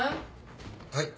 はい。